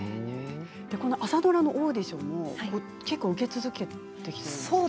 朝ドラのオーディションも結構受け続けて